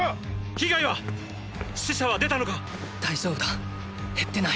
被害は⁉死者は出たのか⁉大丈夫だ減ってない。